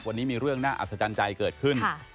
วันนี้มีเรื่องน่าอัศจรรย์ใจเกิดขึ้น